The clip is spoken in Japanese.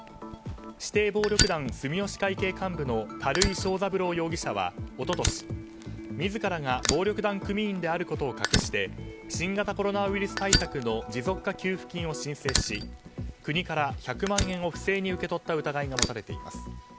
指定暴力団住吉会系幹部の垂井省三郎容疑者は一昨年自らが暴力団組員であることを隠して新型コロナウイルス対策の持続化給付金を申請し国から１００万円を不正に疑いが持たれています。